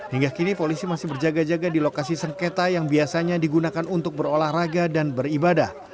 hingga kini polisi masih berjaga jaga di lokasi sengketa yang biasanya digunakan untuk berolahraga dan beribadah